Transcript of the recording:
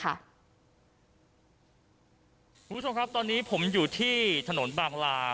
คุณผู้ชมครับตอนนี้ผมอยู่ที่ถนนบางลา